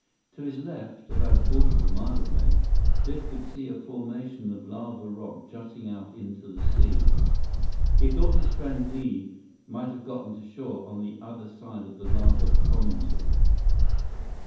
To his left, about a quarter of a mile away, Biff could see a formation of lava rock jutting out into the sea. He thought his friend Li might have gotten to shore on the other side of the lava promontory.